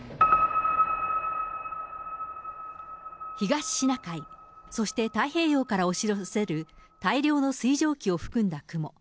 東シナ海、そして太平洋から押し寄せる大量の水蒸気を含んだ雲。